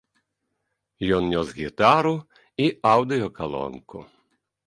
Ён нёс гітару і аўдыёкалонку.